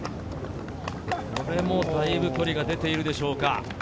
これもだいぶ距離が出ているでしょうか。